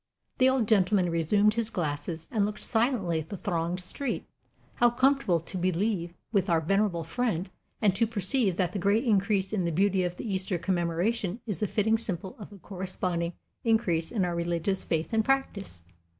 The old gentleman resumed his glasses, and looked silently at the thronged street. How comfortable to believe with our venerable friend, and to perceive that the great increase in the beauty of the Easter commemoration is the fitting symbol of the corresponding increase in our religious faith and practice!